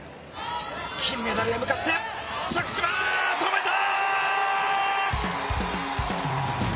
金メダルへ向かって着地は止めた！